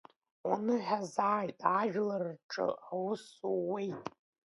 Уныҳәазааит, ажәлар рҿы аус ууеит.